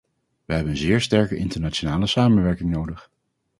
We hebben een zeer sterke internationale samenwerking nodig.